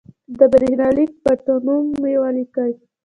د برېښنالېک پټنوم مو ولیکئ.